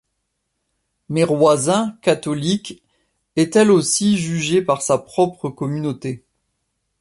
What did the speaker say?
Mais Roisin, catholique, est elle aussi jugée par sa propre communauté...